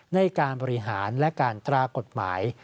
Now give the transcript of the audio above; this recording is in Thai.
ในการบริหารและการตรากฎหมาย